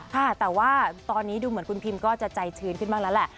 ค่ะแต่ว่าตอนนี้ดูเหมือนคุณพิมก็จะใจชื้นขึ้นบ้างแล้วแหละ